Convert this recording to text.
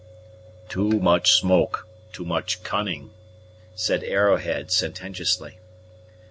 "Too much smoke too much cunning," said Arrowhead sententiously.